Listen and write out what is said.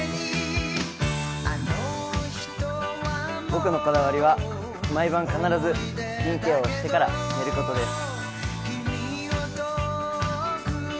僕のこだわりは、毎晩必ずスキンケアをしてから寝ることです。